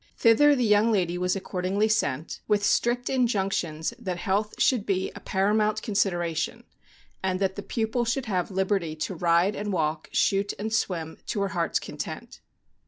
Thither the young lady was accordingly sent, with strict injunctions that health should be a paramount consid eration, and that the pupil should have liberty to ride and walk, shoot and swim, to her heart's content.